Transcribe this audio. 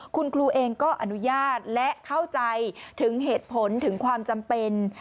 คุณครูเองก็อนุญาตและเข้าใจถึงเหตุผลถึงความจำเป็น